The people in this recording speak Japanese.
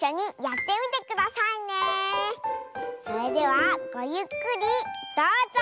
それではごゆっくりどうぞ！